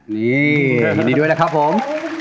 นี่ยินดีด้วยนะครับผม